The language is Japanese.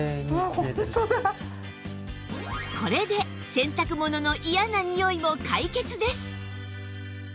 これで洗濯物の嫌なにおいも解決です！